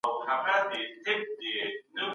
پوهنتونونه به نوي زده کړې وړاندې کړي.